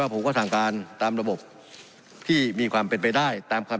ผมก็สั่งการตามระบบที่มีความเป็นไปได้ตามคำ